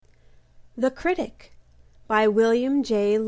THE CRITIC BY WILLIAM J.